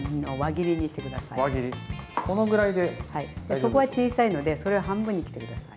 そこは小さいのでそれを半分に切って下さい。